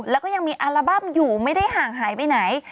แล้วก็ยังมีอัลบั้มอยู่ไม่ได้ห่างหายไปไหน